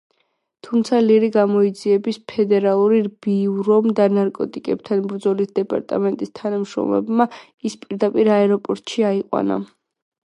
თუმცა ლირი გამოძიების ფედერალური ბიურომ და ნარკოტიკებთან ბრძოლის დეპარტამენტის თანამშრომლებმა ის პირდაპირ აეროპორტში აიყვანა.